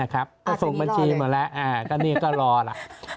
ก็ส่งบัญชีหมดแล้วนี่ก็รอแล้ว